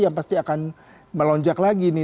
yang pasti akan melonjak lagi nih